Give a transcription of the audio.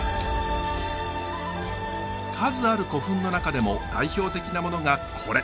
数ある古墳の中でも代表的なものがこれ。